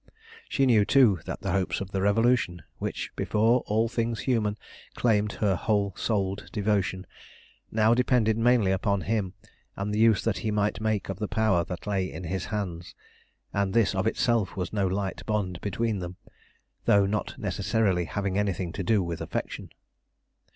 She knew, too, that the hopes of the Revolution, which, before all things human, claimed her whole souled devotion, now depended mainly upon him, and the use that he might make of the power that lay in his hands, and this of itself was no light bond between them, though not necessarily having anything to do with affection.